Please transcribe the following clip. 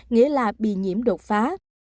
nghĩa là bị nhiễm đột phá